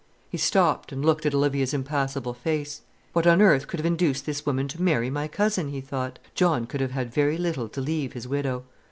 He stopped, and looked at Olivia's impassible face. "What on earth could have induced this woman to marry my cousin?" he thought. "John could have had very little to leave his widow."